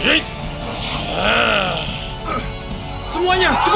aku akan mencari